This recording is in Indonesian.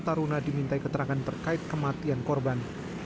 satu taruna diminta keterangan terkait kematian korban